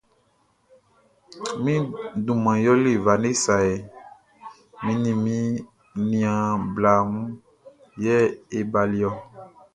Mi duman yɛlɛ Vanessa hɛ, mi ni mi niaan bla mun yɛ e baliɔ.